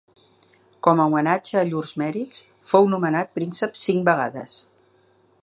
Com a homenatge a llurs mèrits, fou nomenat príncep cinc vegades.